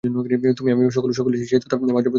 তুমি আমি সকলেই সেই তত্ত্বের বাহ্য প্রতিরূপ মাত্র।